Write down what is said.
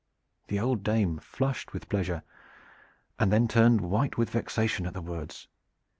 The old dame flushed with pleasure, and then turned white with vexation at the words.